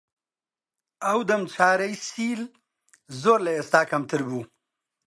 ئەو دەم چارەی سیل زۆر لە ئێستا کەمتر بوو